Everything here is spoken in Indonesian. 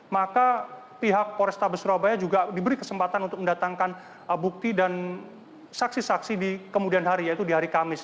maka pihak polrestabes surabaya juga diberi kesempatan untuk mendatangkan bukti dan saksi saksi di kemudian hari yaitu di hari kamis